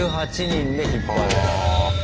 １８人で引っ張るんだ。